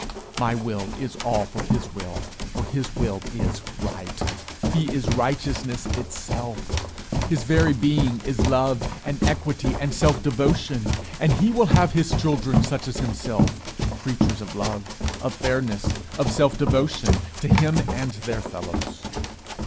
My will is all for his will, for his will is right. He is righteousness itself. His very being is love and equity and self devotion, and he will have his children such as himself creatures of love, of fairness, of self devotion to him and their fellows.